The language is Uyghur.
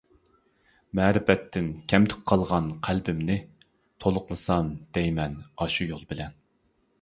مەرىپەتتىن كەمتۈك قالغان قەلبىمنى، تولۇقلىسام دەيمەن ئاشۇ يول بىلەن.